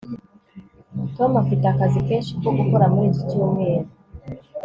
tom afite akazi kenshi ko gukora muri iki cyumweru